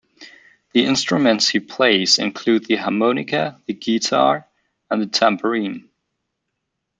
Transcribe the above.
The instruments he plays include the harmonica, the guitar and the tambourine.